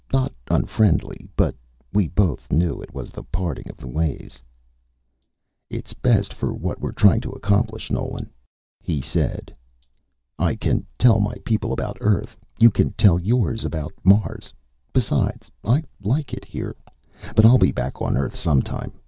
Not unfriendly, but ... we both knew it was the parting of the ways. "It's best for what we're trying to accomplish, Nolan," he said. "I can tell my people about Earth; you can tell yours about Mars. Besides, I like it here. But I'll be back on Earth some time.